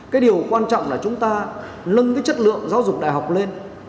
cái điều quan trọng là chúng ta nâng cái chất lượng giáo dục đại học lên